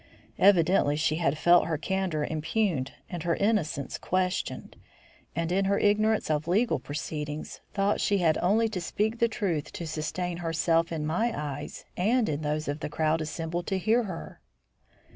Evidently she had felt her candour impugned and her innocence questioned, and, in her ignorance of legal proceedings, thought she had only to speak the truth to sustain herself in my eyes and in those of the crowd assembled to hear her.